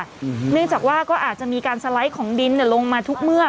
เนื่องจากว่าก็อาจจะมีการสไลด์ของดินเนี่ยลงมาทุกเมื่อ